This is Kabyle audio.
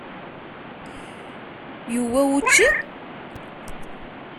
Yewwa wučči?